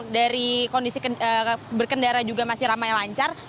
dari kondisi berkendara juga masih ramai lancar